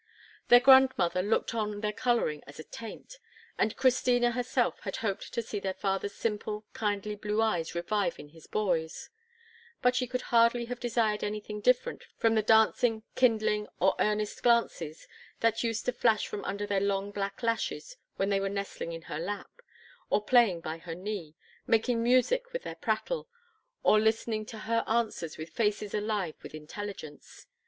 Their grandmother looked on their colouring as a taint, and Christina herself had hoped to see their father's simple, kindly blue eyes revive in his boys; but she could hardly have desired anything different from the dancing, kindling, or earnest glances that used to flash from under their long black lashes when they were nestling in her lap, or playing by her knee, making music with their prattle, or listening to her answers with faces alive with intelligence.